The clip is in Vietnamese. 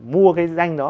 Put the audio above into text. mua cái danh đó